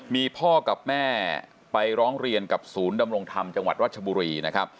มีพ่อกับแม่ไปร้องเรียนกับศูนย์ดำรงธรรมจังหวัดรัชบุรีนะครับ